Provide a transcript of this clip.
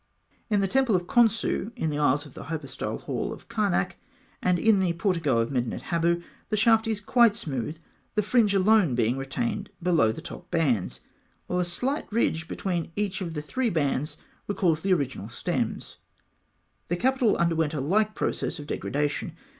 In the temple of Khonsû, in the aisles of the hypostyle hall of Karnak, and in the portico of Medinet Habû, the shaft is quite smooth, the fringe alone being retained below the top bands, while a slight ridge between each of the three bands recalls the original stems (fig. 70). The capital underwent a like process of degradation.